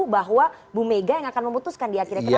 bahwa bu mega yang akan memutuskan di akhirnya